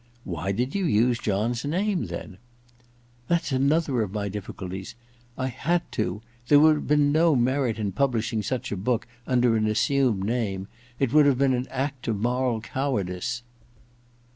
* Why did you use John's name, then ?'* That's another of my difficulties ! I had to. There would have been no merit in publishing such a book under an assumed name ; it would have been an act of moral cowardice.